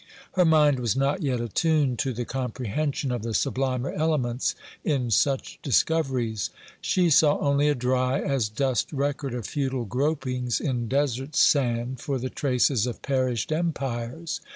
Her mind was not yet attuned to the comprehension of the sublimer elements in such discoveries. She saw only a dry as dust record of futile gropings in desert sand for the traces of perished empires.